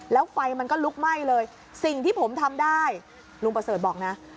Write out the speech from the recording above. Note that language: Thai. แล้วไฟมันก็ลุกไหม้เลยสิ่งที่ผมทำได้ลุงประเสริฐบอกนะ